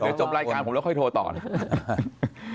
เดี๋ยวจบรายการผมแล้วค่อยโทรต่อนะ